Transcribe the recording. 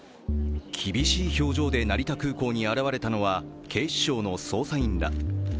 厳しい表情で成田空港に現れたのは警視庁の捜査員ら。